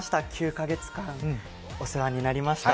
９カ月間お世話になりました